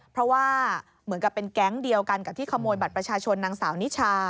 เพราะว่าเหมือนกับเป็นแก๊งเดียวกันกับที่ขโมยบัตรประชาชนนางสาวนิชา